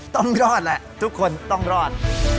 ต้องรอดแหละทุกคนต้องรอด